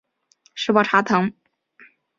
石宝茶藤